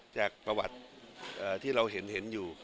จากประวัติที่เราเห็นอยู่